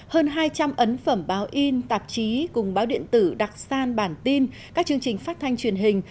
hơn hai trăm linh ấn phẩm báo in tạp chí cùng báo điện tử đặc san bản tin các chương trình phát thanh truyền hình